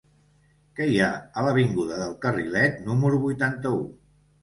Què hi ha a l'avinguda del Carrilet número vuitanta-u?